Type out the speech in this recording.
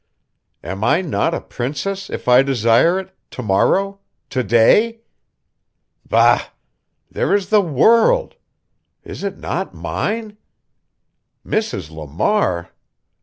Am I not a princess if I desire it tomorrow today? Bah! There is the world is it not mine? Mrs. Lamar?